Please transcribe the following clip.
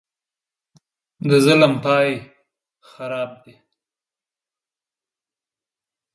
د ظلم پاى خراب دى.